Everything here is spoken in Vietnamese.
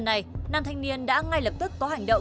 đấy là việc của anh à